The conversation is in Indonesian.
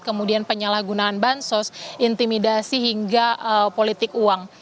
kemudian penyalahgunaan bansos intimidasi hingga politik uang